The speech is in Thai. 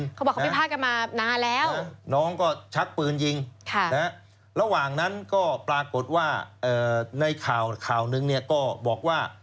เขาบอกเขาพิพาทกันมานานแล้วน้องก็ชักปืนยิงระหว่างนั้นก็ปรากฏว่าในข่าวนึงเนี่ยก็บอกว่า